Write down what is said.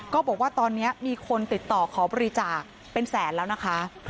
ก็บอกว่าตอนนี้มีคนติดต่อขอบริจาคเป็นแสนแล้วนะคะ